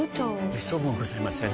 めっそうもございません。